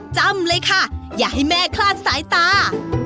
จำเลยค่ะอย่าให้แม่คลาดสายตา